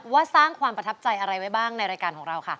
สร้างความประทับใจอะไรไว้บ้างในรายการของเราค่ะ